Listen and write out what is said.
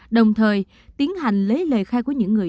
đồng thời tiến hành lấy lời khai của những người